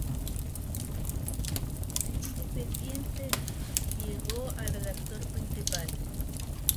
Comenzó por traducir una novela para "El Independiente" y llegó a redactor principal.